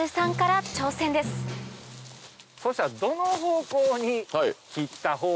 そしたら。